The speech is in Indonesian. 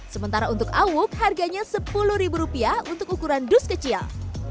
sementara untuk awuk harganya sepuluh rupiah untuk ukuran dus kecil